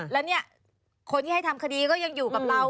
แล้วเนี่ยคนที่ให้ทำคดีก็ยังอยู่กับเรา